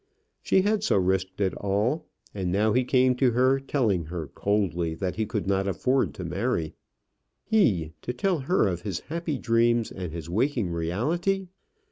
She had so risked it all; and now he came to her, telling her coldly that he could not afford to marry. He, to tell her of his happy dreams and his waking reality!